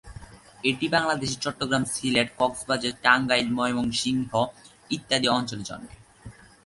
এটি বাংলাদেশের চট্টগ্রাম, সিলেট, কক্সবাজার, টাঙ্গাইল, ময়মনসিংহ ইত্যাদি অঞ্চলে জন্মে।